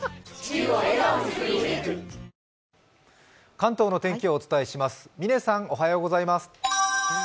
関東の天気をお伝えします。